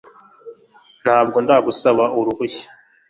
Ntabwo ndagusaba uruhushya